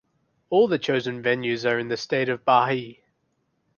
All the chosen venues are in the state of Bahia.